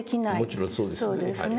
もちろんそうですね。